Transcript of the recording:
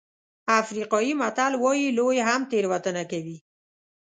افریقایي متل وایي لوی هم تېروتنه کوي.